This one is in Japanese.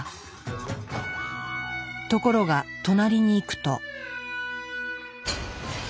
ところが隣に行くと。